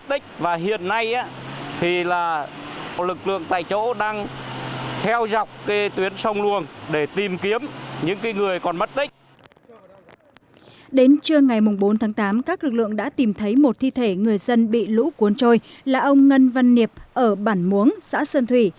đến trưa ngày bốn tháng tám các lực lượng đã tìm thấy một thi thể người dân bị lũ cuốn trôi là ông ngân văn niệp ở bản muống xã sơn thủy